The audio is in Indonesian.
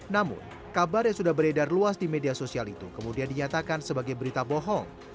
namun kabar yang sudah beredar luas di media sosial itu kemudian dinyatakan sebagai berita bohong